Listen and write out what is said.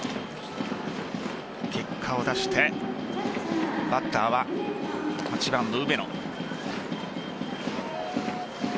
結果を出してバッターは８番の梅野。